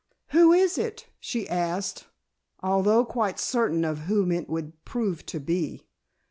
"Who is it?" she asked, although quite certain of whom it would prove to be.